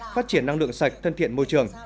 phát triển năng lượng sạch thân thiện môi trường